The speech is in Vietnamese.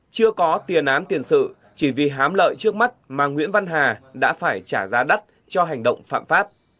chưa có tiền án tiền sự chỉ vì hám lợi trước mắt mà nguyễn văn hà đã phải trả giá đắt cho hành động phạm pháp